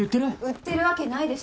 売ってるわけないでしょ。